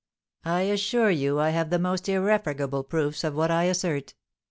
"I assure you I have the most irrefragable proofs of what I assert.